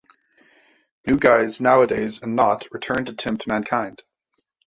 New Guise, Nowadays and Nought return to tempt Mankind.